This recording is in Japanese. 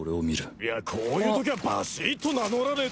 いやこういう時はバシッと名乗らねえと。